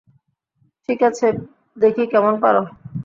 ঠিক আছে, দেখি কেমন পারো।